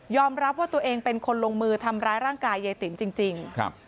รับว่าตัวเองเป็นคนลงมือทำร้ายร่างกายยายติ๋มจริงจริงครับ